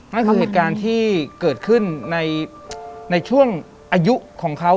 ไม่ครับเหตุการณ์ที่เกิดขึ้นในช่วงอายุของเขา